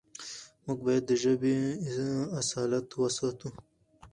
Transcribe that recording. موږ بايد د ژبې اصالت وساتو.